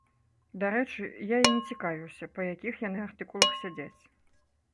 Дарэчы, я і не цікавіўся, па якіх яны артыкулах сядзяць.